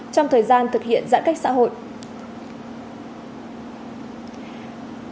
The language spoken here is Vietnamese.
trong thời gian thực hiện giãn cách xã hội